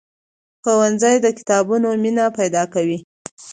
ښوونځی د کتابونو مینه پیدا کوي.